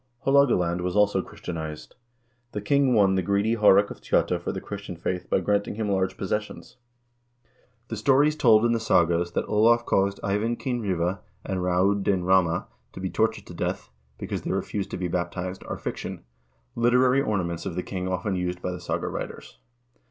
1 Haalogaland was also Christianized. The king won the greedy Haarek of Tjotta for the Christian faith by granting him large pos sessions. The stories told in the sagas that Olav caused Eyvind Kinnriva and Raud den Ramme to be tortured to death, because they refused to be baptized, are fiction — literary ornaments of the kind often used by the saga writers.